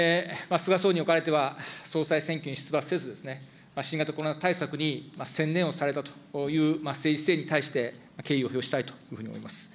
菅総理におかれては総裁選挙に出馬せず、新型コロナ対策に専念をされたという政治姿勢に対して、敬意を表したいと思います。